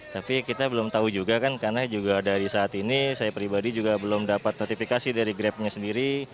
jadi kita belum tahu juga kan karena juga dari saat ini saya pribadi juga belum dapat notifikasi dari grabnya sendiri